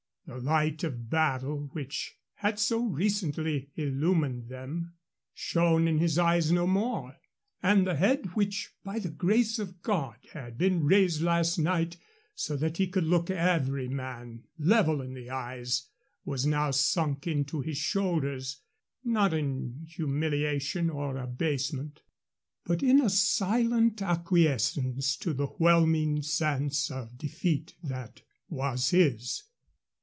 The light of battle which had so recently illumined them shone in his eyes no more. And the head which by the grace of God had been raised last night so that he could look every man level in the eyes was now sunk into his shoulders not in humiliation or abasement, but in a silent acquiescence to the whelming sense of defeat that was his.